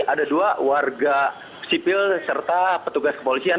ada dua warga sipil serta petugas kepolisian